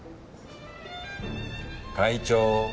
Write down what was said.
会長